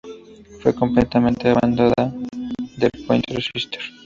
Fue componente de la banda The Pointer Sisters.